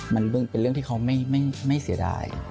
มันเป็นเรื่องที่เขาไม่เสียดาย